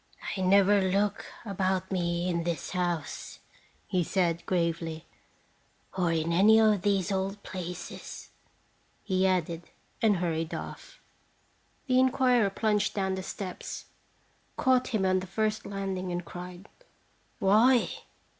"I never look about me in this house," he said, gravely, "or in any of these old places," he added, and hurried off. The inquirer plunged down the steps, caught him on the first landing, and cried: "Why?